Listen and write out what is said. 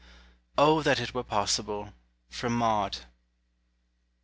OH THAT 'T WERE POSSIBLE. FROM "MAUD."